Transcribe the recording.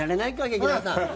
劇団さん。